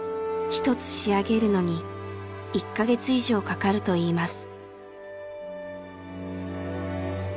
１つ仕上げるのに１か月以上かかるといいます。